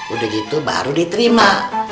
udah gitu baru diterima